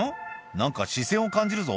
何か視線を感じるぞ」